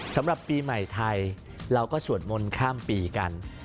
สำหรับปีใหม่ไทยเราก็สวดมนต์ข้ามปีกัน